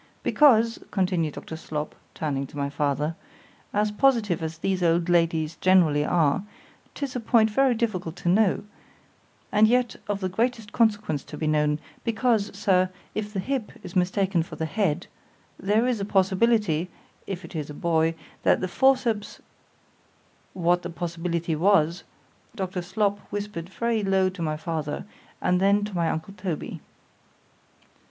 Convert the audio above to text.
Because, continued Dr. Slop (turning to my father) as positive as these old ladies generally are—'tis a point very difficult to know—and yet of the greatest consequence to be known;——because, Sir, if the hip is mistaken for the head—there is a possibility (if it is a boy) that the forceps ——What the possibility was, Dr. Slop whispered very low to my father, and then to my uncle Toby.